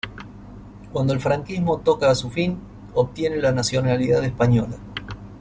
Cuando el franquismo toca a su fin, obtiene la nacionalidad española.